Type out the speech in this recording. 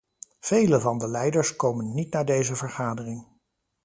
Vele van de leiders komen niet naar deze vergadering.